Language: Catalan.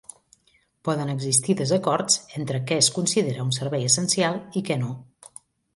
Poden existir desacords entre què es considera un servei essencial i què no.